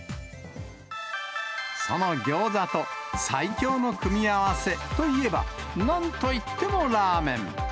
そのギョーザと最強の組み合わせといえば、なんといってもラーメン。